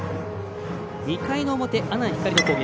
２回の表、阿南光の攻撃。